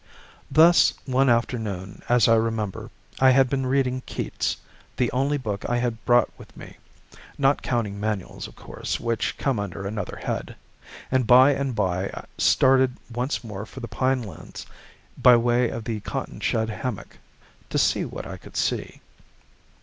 Thus, one afternoon, as I remember, I had been reading Keats, the only book I had brought with me, not counting manuals, of course, which come under another head, and by and by started once more for the pine lands by the way of the cotton shed hammock, "to see what I could see."